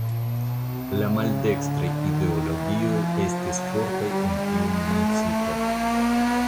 La maldekstraj ideologioj estis fortaj en tiu municipo.